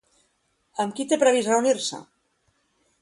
Amb qui té revist reunir-se?